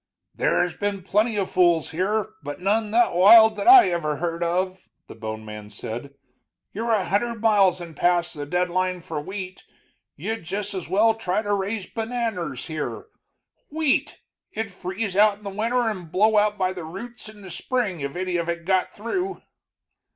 "There's been plenty of fools here, but none that wild that I ever heard of," the bone man said. "You're a hundred miles and more past the deadline for wheat you'd just as well try to raise bananers here. Wheat! it'd freeze out in the winter and blow out by the roots in the spring if any of it got through."